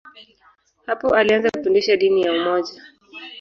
Hapo alianza kufundisha dini ya umoja.